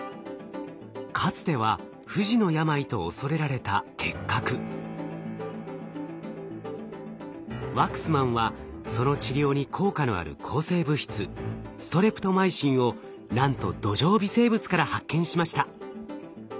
かつては不治の病と恐れられたワクスマンはその治療に効果のある抗生物質ストレプトマイシンをなんと土壌微生物から発見しました。